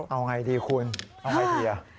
เอาอย่างไรดีคุณเอาอย่างไรดี